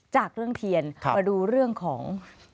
จากเรื่องเทียนมาดูเรื่องของ